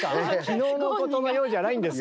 きのうのことのようじゃないんですか。